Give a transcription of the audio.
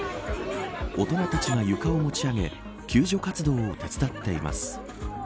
大人たちが床を持ち上げ救助活動を手伝っています。